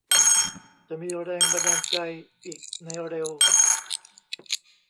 จะมีแรงบันดาลใจอีกในเร็ว